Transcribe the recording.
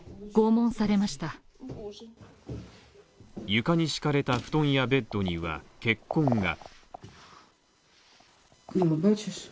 床に敷かれた布団やベッドには血痕が。